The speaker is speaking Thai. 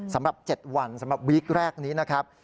สำหรับ๗วันสำหรับวีคแรกนี้นะครับ